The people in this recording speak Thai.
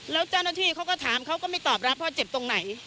แล้วเจ้าหน้าที่เขาก็ถามเขาก็ไม่ตอบรับว่าเจ็บตรงไหน